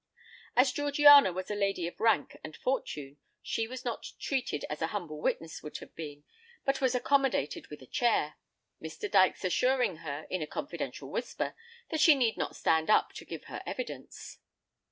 As Georgiana was a lady of rank and fortune she was not treated as a humble witness would have been, but was accommodated with a chair, Mr. Dykes assuring her, in a confidential whisper, that she need not stand up to give her evidence.